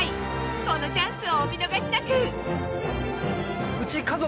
このチャンスをお見逃しなく！